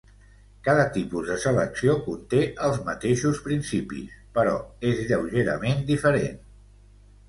Cada tipus de selecció conté els mateixos principis, però és lleugerament diferent.